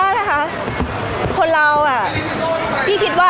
พี่ตอบได้แค่นี้จริงค่ะ